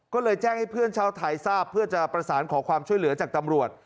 ก็เลยแจ้งให้เพื่อนชาวไทยทราบเพื่อจะประสานขอความช่วยเหลือจากตำรวจ